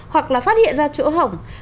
hoặc là phát hiện ra chỗ hổng